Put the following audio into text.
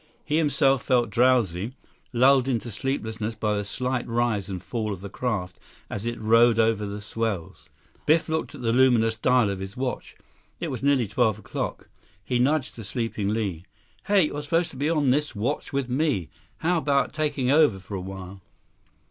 He himself felt drowsy, lulled into sleepiness by the slight rise and fall of the craft as it rode over the swells. Biff looked at the luminous dial of his watch. It was nearly twelve o'clock. He nudged the sleeping Li. "Hey, you're supposed to be on this watch with me. How 'bout taking over for a while?"